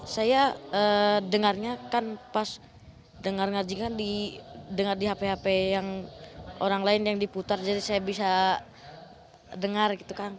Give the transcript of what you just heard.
saya dengarnya kan pas dengar ngaji kan dengar di hp hp yang orang lain yang diputar jadi saya bisa dengar gitu kan